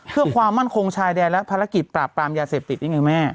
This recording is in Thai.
เพื่อความมั่นคงชายแดนและภารกิจปราบปรามยาเสพติดนี่ไงแม่